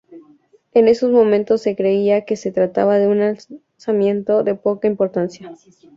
En esos momentos se creía que se trataba de un alzamiento de poca importancia.